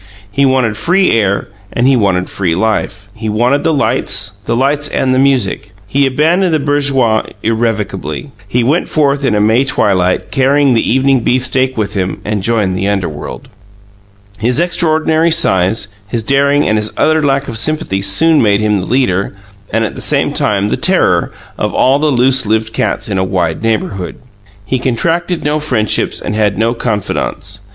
He wanted free air and he wanted free life; he wanted the lights, the lights and the music. He abandoned the bourgeoise irrevocably. He went forth in a May twilight, carrying the evening beefsteak with him, and joined the underworld. His extraordinary size, his daring and his utter lack of sympathy soon made him the leader and, at the same time, the terror of all the loose lived cats in a wide neighbourhood. He contracted no friendships and had no confidants.